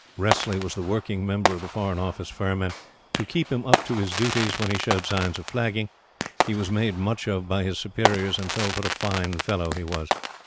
Wressley was the working member of the Foreign Office firm, and, to keep him up to his duties when he showed signs of flagging, he was made much of by his superiors and told what a fine fellow he was.